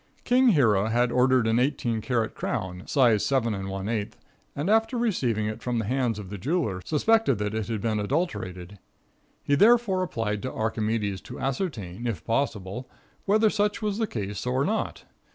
King Hiero had ordered an eighteen karat crown, size 7 1/8, and, after receiving it from the hands of the jeweler, suspected that it had been adulterated. He therefore applied to Archimedes to ascertain, if possible, whether such was the case or not.